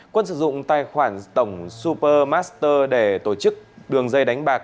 quân sử dụng tài khoản tổng supermaster để tổ chức đường dây đánh bạc